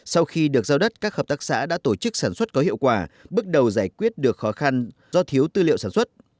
sau khi được giao đất các hợp tác xã đã tổ chức sản xuất có hiệu quả bước đầu giải quyết được khó khăn do thiếu tư liệu sản xuất